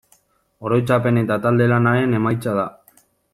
Oroitzapen eta talde-lanaren emaitza da.